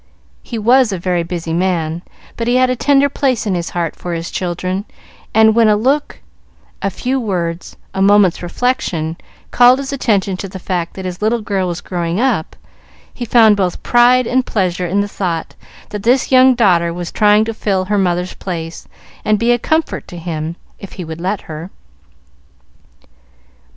He was a very busy man, but he had a tender place in his heart for his children; and when a look, a few words, a moment's reflection, called his attention to the fact that his little girl was growing up, he found both pride and pleasure in the thought that this young daughter was trying to fill her mother's place, and be a comfort to him, if he would let her.